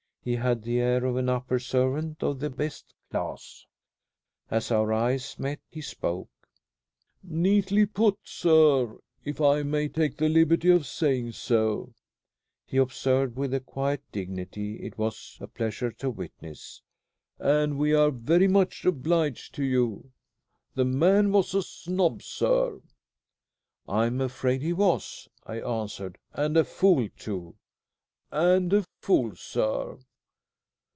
He had the air of an upper servant of the best class. As our eyes met he spoke. "Neatly put, sir, if I may take the liberty of saying so," he observed with a quiet dignity it was a pleasure to witness, "and we are very much obliged to you. The man was a snob, sir." "I am afraid he was," I answered; "and a fool too." "And a fool, sir.